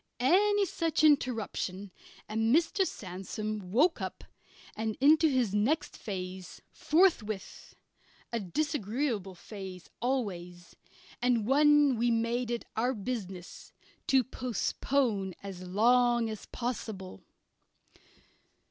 Any such interruption and Mr. Sandsome woke up and into his next phase forthwith a disagreeable phase always, and one we made it our business to postpone as long as possible.